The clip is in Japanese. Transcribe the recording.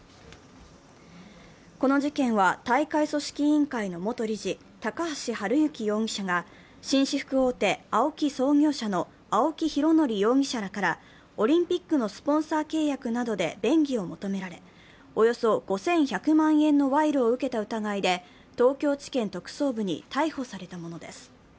この事件は、大会組織委員会の元理事・高橋治之容疑者が紳士服大手・ＡＯＫＩ創業者の青木拡憲容疑者らからオリンピックのスポンサー契約などで便宜を求められ、およそ５１００万円の賄賂を受けた疑いで東京地検特捜部に逮捕されたものです。